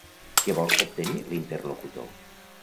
Què vol obtenir l'interlocutor?